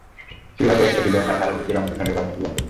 কীভাবে একটা প্রিজমের মাঝে আলো ঢুকিয়ে রঙধনু বানিয়েছিলেন তিনি।